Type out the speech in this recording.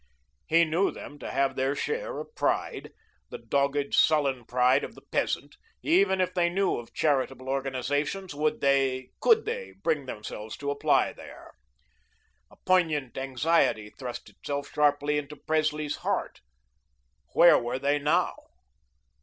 He knew them to have their share of pride, the dogged sullen pride of the peasant; even if they knew of charitable organisations, would they, could they bring themselves to apply there? A poignant anxiety thrust itself sharply into Presley's heart. Where were they now?